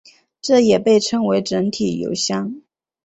这也被称为整体油箱。